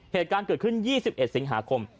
เหตุการณ์เกิดขึ้น๒๑สิงหาคม